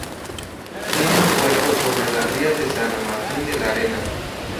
Tiene un puerto sobre la ría de San Martín de la Arena.